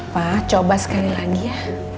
pak coba sekali lagi ya